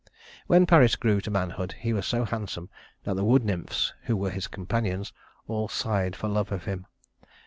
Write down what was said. When Paris grew to manhood he was so handsome that the wood nymphs, who were his companions, all sighed for love of him.